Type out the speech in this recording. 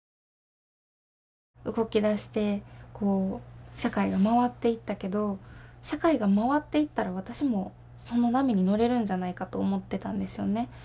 動き出してこう社会が回っていったけど社会が回っていったら私もその波に乗れるんじゃないかと思ってたんですよね。